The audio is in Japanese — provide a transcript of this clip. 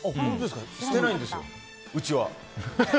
捨てないんですよ、うちは。